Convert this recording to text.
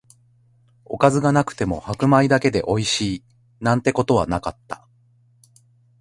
おかずがなくても白米だけでおいしい、なんてことはなかった